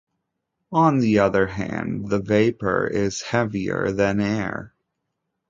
On the other hand, the vapor is heavier than air.